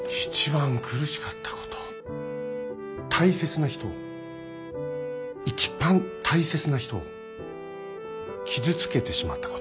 大切な人を一番大切な人を傷つけてしまったこと。